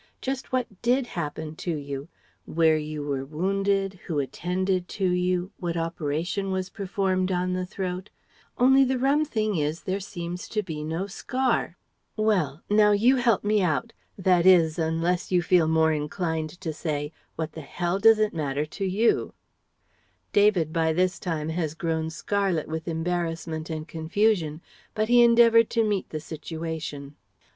Just what did happen to you; where you were wounded, who attended to you, what operation was performed on the throat only the rum thing is there seems to be no scar well: now you help me out, that is unless you feel more inclined to say, 'What the hell does it matter to you?'"... David by this time has grown scarlet with embarrassment and confusion. But he endeavoured to meet the situation.